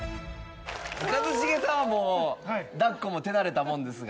一茂さんはもう抱っこも手慣れたもんですが。